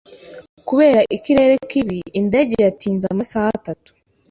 Kubera ikirere kibi, indege yatinze amasaha atatu.